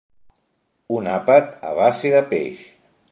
Un àpat a base de peix.